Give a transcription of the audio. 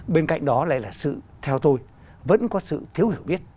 bên cạnh đó lại là sự theo tôi vẫn có sự thiếu hiểu biết